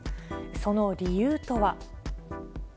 その理由とは。